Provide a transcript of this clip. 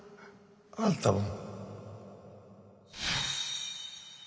あんたも。